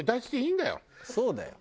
そうだよ。